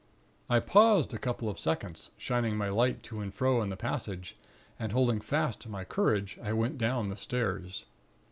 I paused a couple of seconds, shining my light to and fro in the passage, and holding fast to my courage, I went down the stairs.